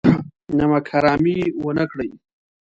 نمک حرامي ونه کړي.